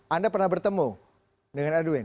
anda pernah bertemu dengan edwin